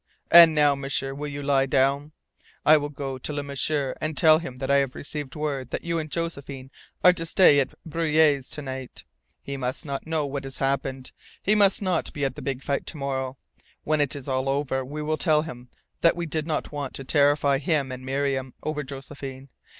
And now, M'sieur, will you lie down? I will go to Le M'sieur and tell him I have received word that you and Josephine are to stay at Breuil's overnight. He must not know what has happened. He must not be at the big fight to morrow. When it is all over we will tell him that we did not want to terrify him and Miriam over Josephine.